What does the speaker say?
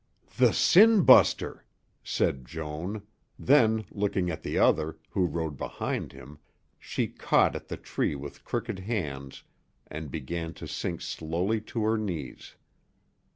"The sin buster!" said Joan; then, looking at the other, who rode behind him, she caught at the tree with crooked hands and began to sink slowly to her knees.